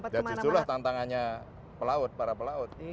dan jujurlah tantangannya para pelaut